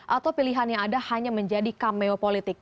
atau pilihan yang ada hanya menjadi kameo politik